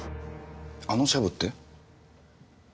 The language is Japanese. あのシャブって？